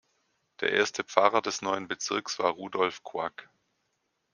Der erste Pfarrer des neuen Bezirks war Rudolf Quack.